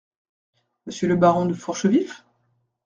Monsieur le baron de Fourchevif ?